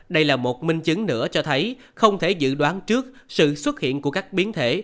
đây là một minh chứng nữa cho thấy không thể dự đoán trước sự xuất hiện của các biến thể